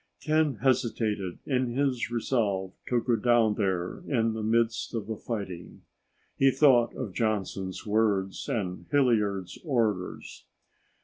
Ken hesitated in his resolve to go down there in the midst of the fighting. He thought of Johnson's words and Hilliard's orders.